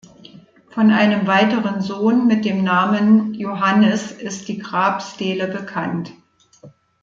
Von einem weiteren Sohn mit dem Namen Iohannes ist die Grabstele bekannt.